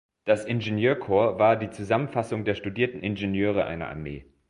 Das Ingenieurkorps war die Zusammenfassung der studierten Ingenieure einer Armee.